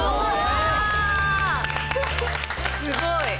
すごい。